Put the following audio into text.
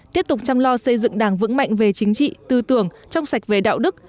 tiếp tục chăm lo xây dựng đảng vững mạnh về chính trị tư tưởng trong sạch về đạo đức